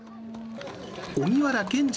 荻原健司